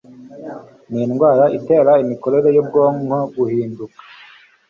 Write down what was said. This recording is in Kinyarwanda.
Ni indwara itera imikorere y'ubwonko guhinduka